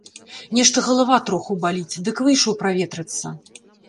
Нешта галава троху баліць, дык выйшаў праветрыцца.